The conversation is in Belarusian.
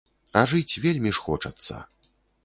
А жыць вельмі ж хочацца.